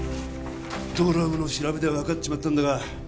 ドラムの調べで分かっちまったんだが